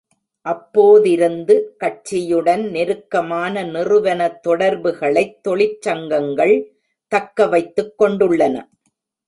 அப்போதிருந்து, கட்சியுடன் நெருக்கமான நிறுவன தொடர்புகளைத் தொழிற்சங்கங்கள் தக்க வைத்துக் கொண்டுள்ளன.